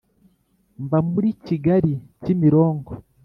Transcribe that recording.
Mba muri kigali kimironko